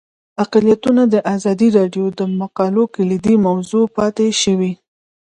اقلیتونه د ازادي راډیو د مقالو کلیدي موضوع پاتې شوی.